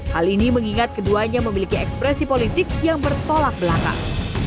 hal ini mengingat keduanya memiliki ekspresi politik yang bertolak belakang